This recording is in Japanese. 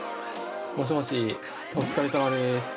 もしもしお疲れさまです。